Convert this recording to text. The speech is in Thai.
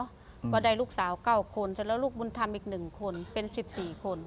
เพราะได้ลูกสาว๙คนแล้วลูกบุญธรรมอีก๑คนเป็น๑๔คน